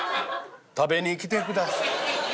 食べに来て下さい』。